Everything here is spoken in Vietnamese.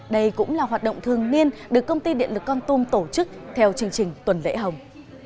đây cũng là hoạt động thường niên được công ty điện lực con tum tổ chức theo chương trình tuần lễ hồng